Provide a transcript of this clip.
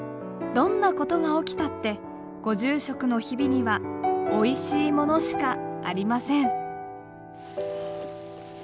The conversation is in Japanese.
どんなことが起きたってご住職の日々にはおいしいものしかありません。